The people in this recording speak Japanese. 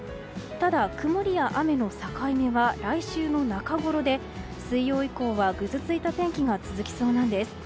ただ、曇りや雨の境目は来週の中ごろで水曜日以降はぐずついた天気が続きそうなんです。